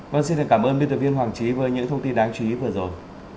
vâng xin cảm ơn biên tập viên hoàng trí với những thông tin đáng chú ý vừa rồi